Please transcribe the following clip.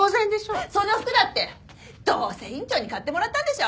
その服だってどうせ院長に買ってもらったんでしょ？